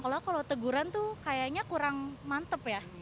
kalau teguran tuh kayaknya kurang mantep ya